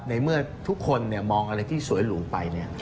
ในเมื่อทุกคนมองอะไรที่สวยหรูไป